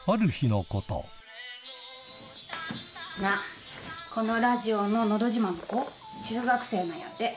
なあ、このラジオののど自慢の子、中学生なんやって。